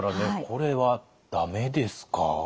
これは駄目ですか？